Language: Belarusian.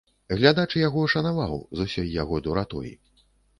Глядач яго шанаваў, з усёй яго дуратой.